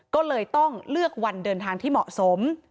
ก็เลยต้องเลือกวันเดินทางที่เหมาะสม